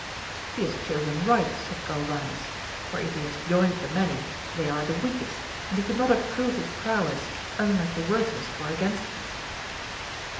He has chosen right, said Galvanes, for if he has joined the many, they are the weakest, and he could not have proved his prowess unless the worthiest were against him.